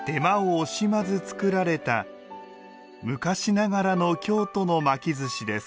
惜しまず作られた昔ながらの京都の巻きずしです